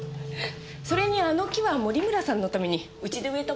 それにあの木は森村さんのためにうちで植えたものなんですよ。